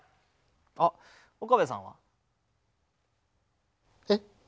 あ岡部さんは？え？